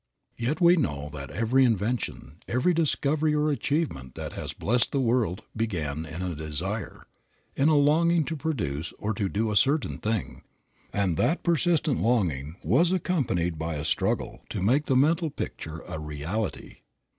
Yet we know that every invention, every discovery or achievement that has blessed the world began in a desire, in a longing to produce or to do a certain thing, and that the persistent longing was accompanied by a struggle to make the mental picture a reality.